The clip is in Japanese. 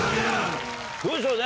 どうでしょうね？